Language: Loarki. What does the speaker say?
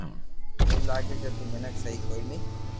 ايم لاگي ڪي تو مينک سھي ڪوئي ني